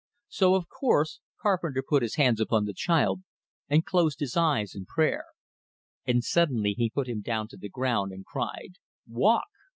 So, of course, Carpenter put his hands upon the child, and closed his eyes in prayer; and suddenly he put him down to the ground and cried: "Walk!"